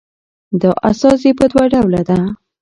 دا استازي په دوه ډوله ده